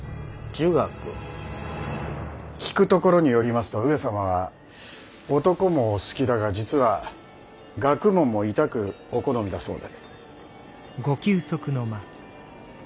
聞くところによりますと上様は男もお好きだが実は学問もいたくお好みだそうで。